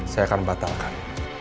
saya akan batalkan